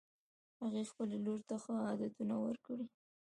هغې خپلې لور ته ښه عادتونه ورکړي